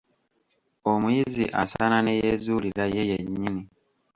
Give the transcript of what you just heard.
Omuyizi asaana ne yeezuulira ye yennyini.